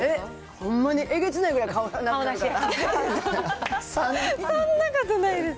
ほんまにえげつないぐらい、顔そんなことないです。